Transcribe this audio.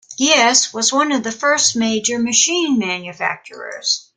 Giesse was one of the first major machine manufacturers.